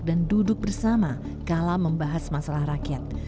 dan duduk bersama kala membahas masalah rakyat